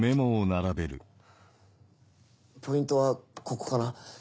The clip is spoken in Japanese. ポイントはここかな。